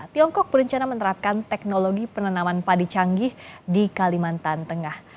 tiongkok berencana menerapkan teknologi penanaman padi canggih di kalimantan tengah